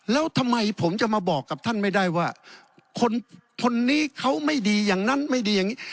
แล้วทำไมผมจะมาบอกกับท่านไม่ได้ว่าคนนี้เขาไม่ดีอย่างนั้นไม่ดีอย่างนี้